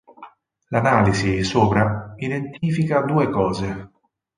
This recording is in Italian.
L'analisi sopra identifica due cose.